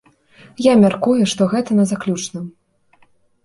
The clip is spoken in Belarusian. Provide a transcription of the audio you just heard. Я мяркую, што на заключным.